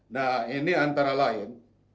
nah ini antara lain